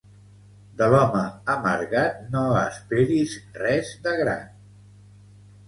De l'home amargat no esperis res de grat